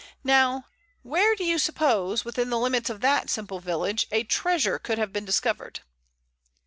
Now where do you suppose, within the limits of that simple village, a treasure could have been discovered?"